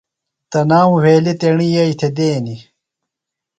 تنام وہیلیۡ تیݨیۡ یئیئۡی تھےۡ دینیۡ۔